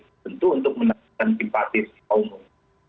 tentu untuk menekankan simpatis umum